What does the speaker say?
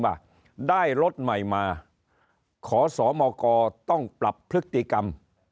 ว่าได้รถใหม่มาขอสมกต้องปรับพฤติกรรม